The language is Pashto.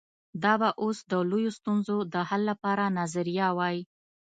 دا به اوس د لویو ستونزو د حل لپاره نظریه وای.